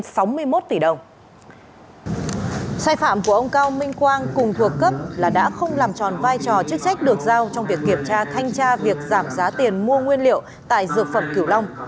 sai phạm của ông cao minh quang cùng thuộc cấp là đã không làm tròn vai trò chức trách được giao trong việc kiểm tra thanh tra việc giảm giá tiền mua nguyên liệu tại dược phẩm kiểu long